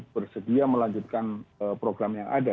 bersedia melanjutkan program yang ada